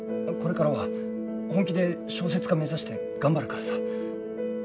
これからは本気で小説家目指して頑張るからさ。